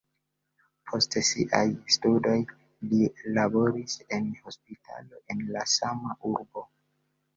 Post siaj studoj li laboris en hospitalo en la sama urbo.